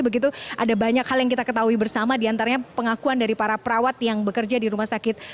begitu ada banyak hal yang kita ketahui bersama diantaranya pengakuan dari para perawat yang bekerja di rumah sakit